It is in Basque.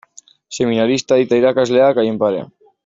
Seminarista eta irakasleak haien parean.